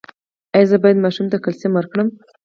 ایا زه باید ماشوم ته کلسیم ورکړم؟